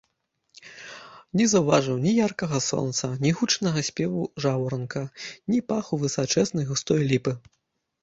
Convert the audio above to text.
Не заўважыў ні яркага сонца, ні гучнага спеву жаўранка, ні паху высачэзнай густой ліпы.